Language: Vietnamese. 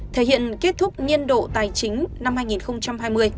thể hiện kết thúc nhiên độ tài chính năm hai nghìn hai mươi